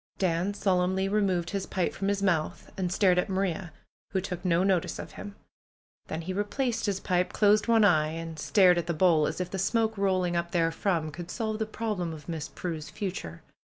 Dan solemnly removed his pipe from his mouth and stared at Maria, who took no notice of him. Then he replaced his pipe, closed one eye and stared at the bowl, as if the smoke rolling up therefrom could solve the problem of Miss Prue's future.